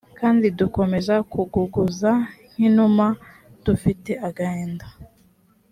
kandi dukomeza kuguguza nk’inuma dufite agahinda